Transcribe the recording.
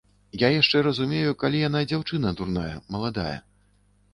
Я яшчэ разумею, калі яна дзяўчына дурная, маладая.